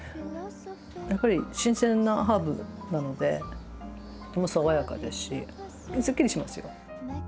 やっぱり新鮮なハーブなので爽やかですし、スッキリしますよ。